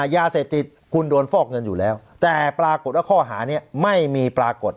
ยาเสพติดคุณโดนฟอกเงินอยู่แล้วแต่ปรากฏว่าข้อหานี้ไม่มีปรากฏ